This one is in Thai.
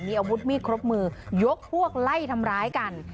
มีอาวุธมีดครบมือยกพวกไล่ทำร้ายกัน